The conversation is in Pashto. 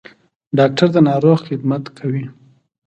ډاکټر د ناروغ خدمت کوي